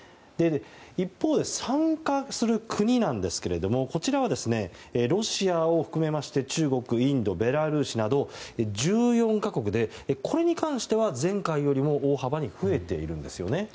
一方、参加する国はロシアを含めまして中国、インドベラルーシなど１４か国でこれに関しては前回よりも大幅に増えているんですよね。